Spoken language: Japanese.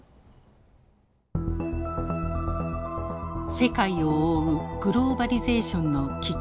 世界を覆うグローバリゼーションの危機。